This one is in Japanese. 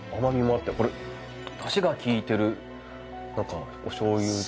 甘みもあってこれだしが効いてるなんかお醤油。